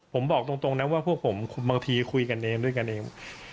ผมบอกตรงนะว่าพวกผมบางทีคุยกันเองด้วยกันเอง